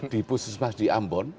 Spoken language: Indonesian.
di pususmas di ambon